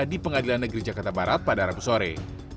di pengadilan negeri jakarta barat pada rabu sore